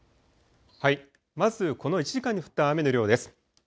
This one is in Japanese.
まず、この１時間に降った雨の量です。